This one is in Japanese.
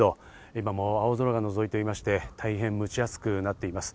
今も青空がのぞいてまして、大変蒸し暑くなっています。